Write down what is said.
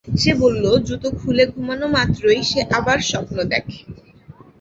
সে বলল, জুতো খুলে ঘুমানোমাত্রই সে আবার স্বপ্ন দেখে।